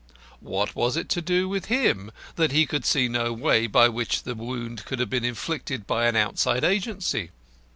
What was it to do with him that he could see no way by which the wound could have been inflicted by an outside agency?